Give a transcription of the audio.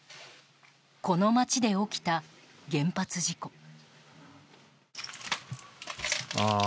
この町で起きた、原発事故。